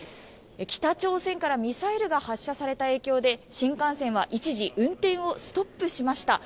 北朝鮮からミサイルが発射された影響で新幹線は一時運転をストップしました。